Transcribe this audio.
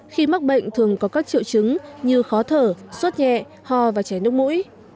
khi mắc bệnh thường có các triệu chứng như khó thở suốt nhẹ ho và chảy nước mũi